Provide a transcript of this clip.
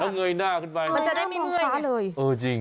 แล้วเงยหน้าขึ้นไปมันจะได้มีเมื่อยเออจริง